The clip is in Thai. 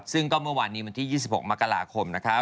ซึ่งก็เมื่อวานนี้วันที่๒๖มกราคมนะคะ